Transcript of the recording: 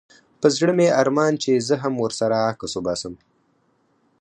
په زړه مي ارمان چي زه هم ورسره عکس وباسم